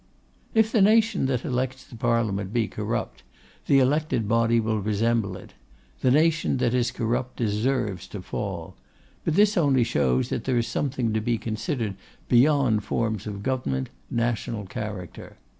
'If the nation that elects the Parliament be corrupt, the elected body will resemble it. The nation that is corrupt deserves to fall. But this only shows that there is something to be considered beyond forms of government, national character.